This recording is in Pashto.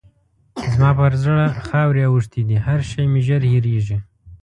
زما پر زړه خاورې اوښتې دي؛ هر شی مې ژر هېرېږي.